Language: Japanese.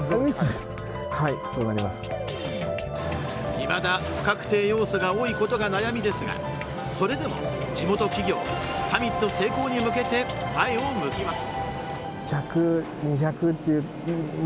いまだ、不確定要素が多いことが悩みですがそれでも地元企業はサミット成功に向けて前を向きます。